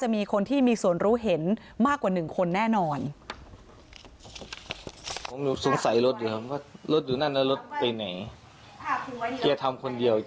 มันไปไม่ได้หรอกคนตั้งคนแต่ทำคนเดียว